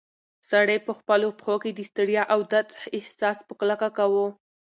سړی په خپلو پښو کې د ستړیا او درد احساس په کلکه کاوه.